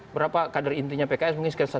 berapa kadar intinya pks mungkin sekitar